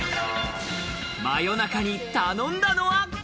真夜中に頼んだのは。